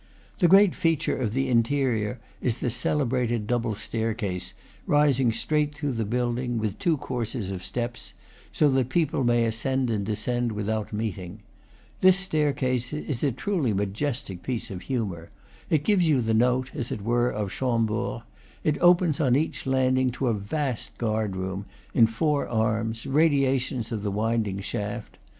The great feature of the interior is the celebrated double staircase, rising straight through the building, with two courses of steps, so that people may ascend and descend without meeting. This staircase is a truly majestic piece of humor; it gives you the note, as it were, of Chambord. It opens on each landing to a vast guard room, in four arms, radiations of the winding shaft.